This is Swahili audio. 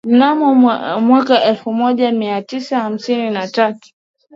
mnamo mwaka elfu moja mia tisa hamsini na tatu